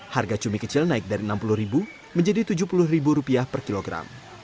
harga cumi kecil naik dari enam puluh ribu menjadi tujuh puluh ribu rupiah per kilogram